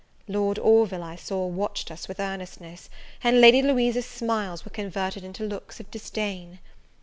Lord Orville, I saw, watched us with earnestness; and Lady Louisa's smiles were converted into looks of disdain.